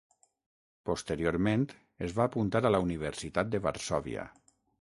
Posteriorment es va apuntar a la Universitat de Varsòvia.